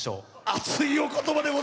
熱いお言葉で。